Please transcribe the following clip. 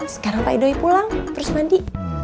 sekarang pak edoy pulang terus mandi